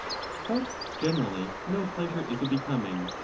7 1204 But generally no pleasure is a becoming.